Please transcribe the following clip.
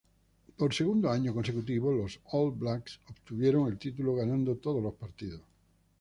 Por segundo año consecutivo los All Blacks obtuvieron el título ganando todos los partidos.